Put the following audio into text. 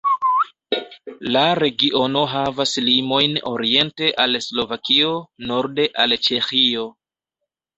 La regiono havas limojn oriente al Slovakio, norde al Ĉeĥio.